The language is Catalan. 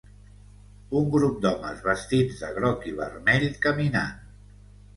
un grup d'homes vestits de groc i vermell caminant.